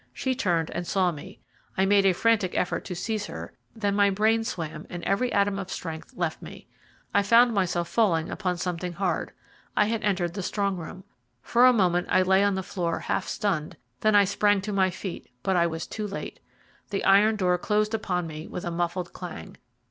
She turned and saw me I made a frantic effort to seize her then my brain swam and every atom of strength left me. I found myself falling upon something hard. I had entered the strong room. For a moment I lay on the floor half stunned, then I sprang to my feet, but I was too late. The iron door closed upon me with a muffled clang.